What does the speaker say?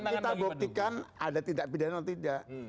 kita buktikan ada tidak pidananya atau tidak